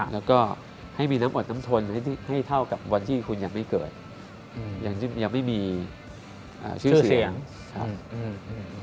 และให้มีน้ำอดน้ำทนให้เท่ากับวันที่คุณยังไม่เกิดยังไม่มีชื่อเสียง